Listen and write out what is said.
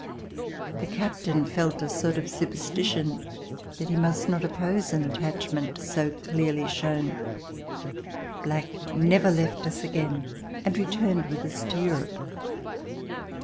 The captain felt a sort of superstition that he must not oppose an attachment so clearly shown. "Black" never left us again and returned with us to Europe.